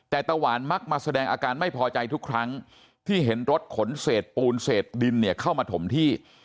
แต่ตะหวานมักมาแสดงอาการไม่พอใจทุกครั้งที่เห็นรถขนเศษปูนเศษดินเนี่ยเข้ามาถมที่